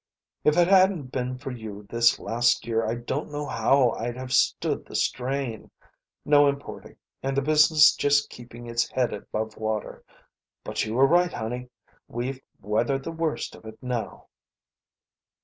If it hadn't been for you this last year I don't know how I'd have stood the strain. No importing, and the business just keeping its head above water. But you were right, honey. We've weathered the worst of it now."